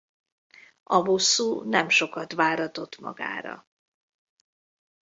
A bosszú nem sokat váratott magára.